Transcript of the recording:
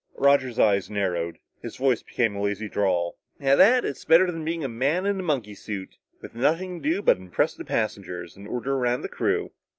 Roger's eyes narrowed, his voice became a lazy drawl. "At that it's better'n being a man in a monkey suit, with nothing to do but impress the passengers and order around the crew."